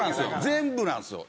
全部なんですよ。